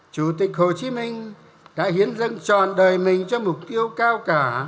chủ tịch hồ chí minh đã hiến dâng tròn đời mình cho mục tiêu cao cả